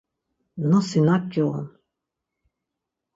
Nosi nak giğun?